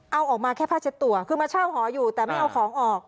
เอาออกมาแค่ผ้าเช็ดตัวคือมาเช่าหออยู่แต่ไม่เอาของออก